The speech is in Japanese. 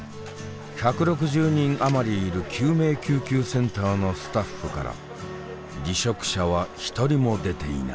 １６０人余りいる救命救急センターのスタッフから離職者は一人も出ていない。